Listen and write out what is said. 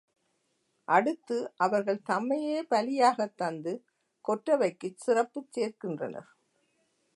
அடுத்து அவர்கள் தம்மையே பலியாகத் தந்து கொற்றவைக்குச் சிறப்புச் சேர்க்கின்றனர்.